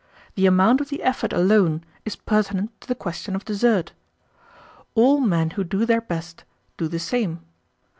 The amount of the effort alone is pertinent to the question of desert. All men who do their best, do the same.